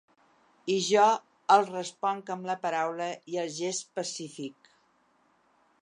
I jo els responc amb la paraula i el gest pacífic.